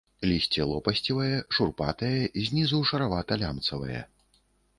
Лісце лопасцевае, шурпатае, знізу шаравата-лямцавае.